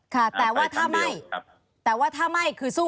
แต่ว่าถ้าไม่คือสู้กันในสารถูกไหมฮะ